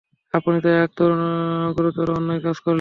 আপনি তো এক গুরুতর অন্যায় কাজ করলেন!